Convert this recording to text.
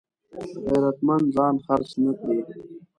غیرتمند ځان خرڅ نه کړي